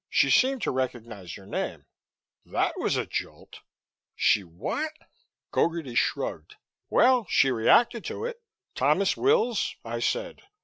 She seemed to recognize your name." That was a jolt. "She what?" Gogarty shrugged. "Well, she reacted to it. 'Thomas Wills,' I said.